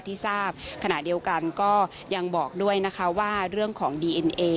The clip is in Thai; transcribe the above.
ที่ทราบขณะเดียวกันก็ยังบอกด้วยนะคะว่าเรื่องของดีเอ็นเอ